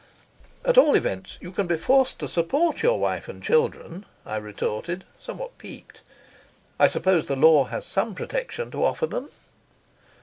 "At all events, you can be forced to support your wife and children," I retorted, somewhat piqued. "I suppose the law has some protection to offer them."